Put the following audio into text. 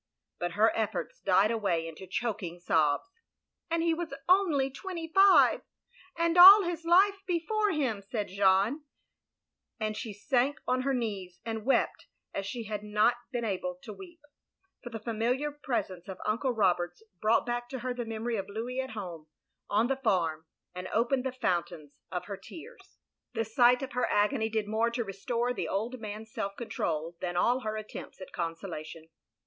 " But her efforts died away into choking sobs. "And he was only twenty five, and all his life before him," said Jeanne, and she sank on her knees and wept as she had not yet been able to weep ; for the familiar presence of Uncle Roberts brought back to her the memory of Louis at home — on the farm — ^and opened the fountains of her tears. 304 THE LONELY LADY The sight of her agony did more to restore the old man's self control than all her attempts at consolation.